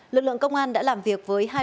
lực lượng công an đã làm việc với hậu